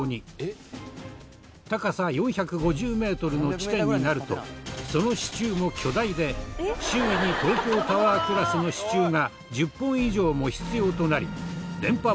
高さ４５０メートルの地点になるとその支柱も巨大で周囲に東京タワークラスの支柱が１０本以上も必要となり。